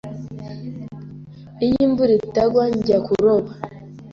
Iyo imvura itagwa, njya kuroba.